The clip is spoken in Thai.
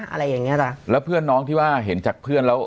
อะไรอย่างเงี้จ้ะแล้วเพื่อนน้องที่ว่าเห็นจากเพื่อนแล้ว